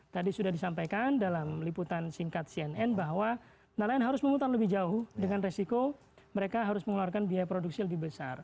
tadi sudah disampaikan dalam liputan singkat cnn bahwa nelayan harus memutar lebih jauh dengan resiko mereka harus mengeluarkan biaya produksi lebih besar